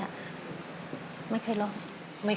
อาจควรได้ก็กลับไปซับไปแล้ว